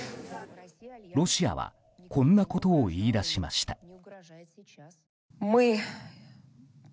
ロシアはこんなことを言い出しました。